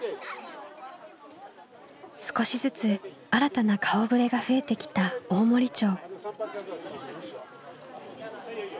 少しずつ新たな顔ぶれが増えてきた大森町。